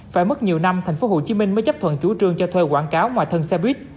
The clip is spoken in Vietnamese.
phải mất nhiều năm tp hcm mới chấp thuận chủ trương cho thuê quảng cáo ngoài thân xe buýt